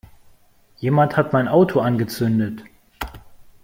Jemand hat mein Auto angezündet!